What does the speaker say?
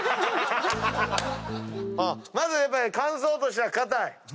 まずやっぱり感想としては硬い。